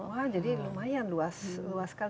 wah jadi lumayan luas sekali